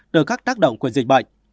từ các tác động của dịch bệnh